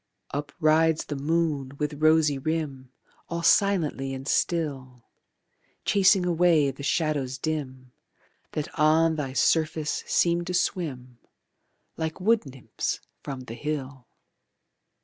Up rides the moon with rosy rim All silently and still, Chasing away the shadows dim That on thy surface seem to swim Like wood nymphs from the hill.